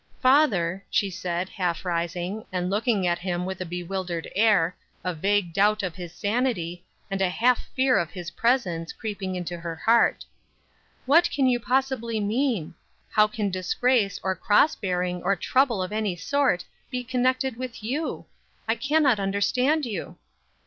"Father," she said, half rising, and looking at him with a bewildered air, a vague doubt of his sanity, and a half fear of his presence, creeping into her heart, "what can you possibly mean? How can disgrace, or cross bearing, or trouble of any sort, be connected with you? I cannot understand you."